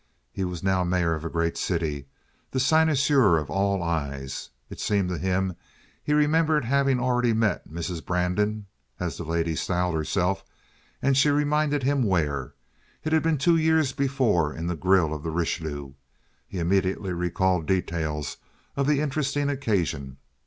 He was now mayor of a great city, the cynosure of all eyes. It seemed to him he remembered having already met Mrs. Brandon, as the lady styled herself, and she reminded him where. It had been two years before in the grill of the Richelieu. He immediately recalled details of the interesting occasion.